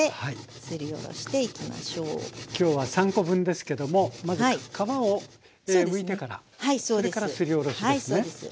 今日は３コ分ですけどもまず皮をむいてからそれからすりおろしですね。